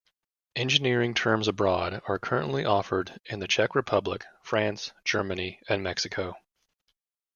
Engineering Terms Abroad are currently offered in the Czech Republic, France, Germany, and Mexico.